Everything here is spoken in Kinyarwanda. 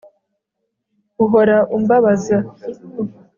Uhora umbabaza